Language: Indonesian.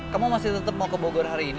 kamu masih tetap mau ke bogor hari ini